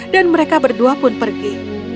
dan mereka berdua pun pergi